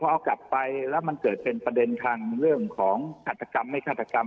พอเอากลับไปแล้วมันเกิดเป็นประเด็นทางเรื่องของหัตกรรมไม่ฆาตกรรม